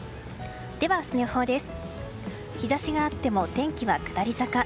では、明日の予報です。